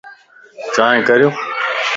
چائين ڪريو